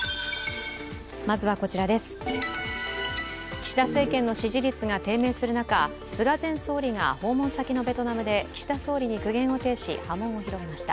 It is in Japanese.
岸田政権の支持率が低迷する中菅前総理が、訪問先のベトナムで岸田総理に苦言を呈し波紋を広げました。